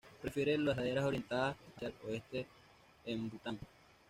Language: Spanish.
Prefiere las laderas orientadas hacia el oeste en Bután.